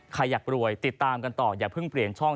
ใครอยากรวยติดตามกันต่ออย่าเพิ่งเปลี่ยนช่อง